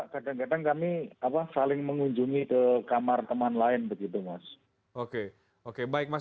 kadang kadang kami saling mengunjungi ke kamar teman lain begitu mas